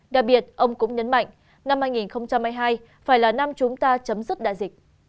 đặc biệt ông cũng nhấn mạnh năm hai nghìn hai mươi hai phải là năm chúng ta chấm dứt đại dịch